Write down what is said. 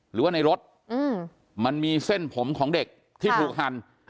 หรือว่าในรถมันมีเส้นผมของเด็กที่ถูกหั่น